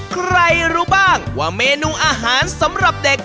ใครรู้บ้างว่าเมนูอาหารสำหรับเด็ก